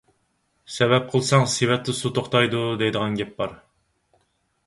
«سەۋەب قىلساڭ سېۋەتتە سۇ توختايدۇ» دەيدىغان گەپ بار.